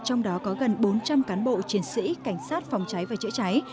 trong đó có gần bốn trăm linh cán bộ chiến sĩ cảnh sát phòng cháy và chữa cháy